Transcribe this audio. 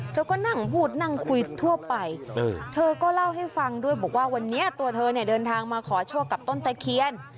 เธอก็นั่งพูดนั่งคุยทั่วไปเธอก็เล่าให้ฟังด้วยบอกว่าวันนี้ตัวเธอเนี่ยเดินทางมาขอโชคกับต้นตะเคียน